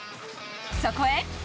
そこへ。